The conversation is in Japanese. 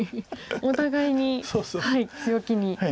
お互いに強気に。